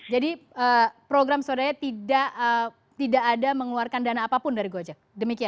jadi program swadaya tidak ada mengeluarkan dana apapun dari gojek demikian mbak ardhilya